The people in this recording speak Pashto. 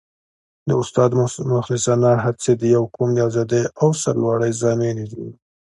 د استاد مخلصانه هڅې د یو قوم د ازادۍ او سرلوړۍ ضامنې دي.